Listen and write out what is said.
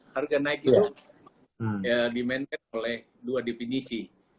harga naik itu dimandat oleh dua definisi